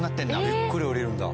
ゆっくり降りるんだ。